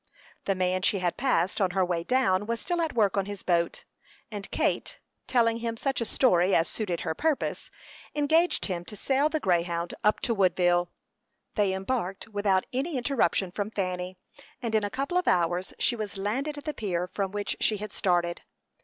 The man she had passed on her way down was still at work on his boat, and Kate, telling him such a story as suited her purpose, engaged him to sail the Greyhound up to Woodville. They embarked without any interruption from Fanny, and in a couple of hours she was landed at the pier from which she had started.